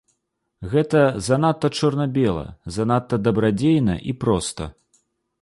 Гэта занадта чорна-бела, занадта дабрадзейна і проста.